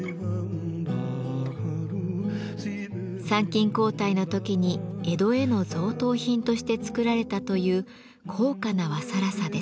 参勤交代の時に江戸への贈答品として作られたという高価な和更紗です。